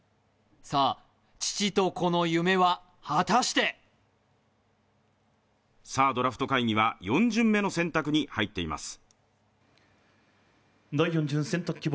さあ、父と子の夢は果たしてドラフト会議は４巡目の選択に入っています。